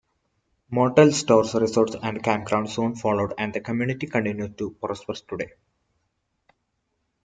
Motels, stores, resorts and campgrounds soon followed and the community continues to prosper today.